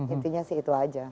intinya sih itu aja